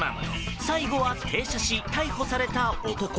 最後は停車し、逮捕された男。